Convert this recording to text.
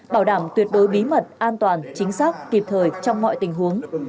bảo đảm tuyệt đối bí mật an toàn chính xác kịp thời trong mọi tình huống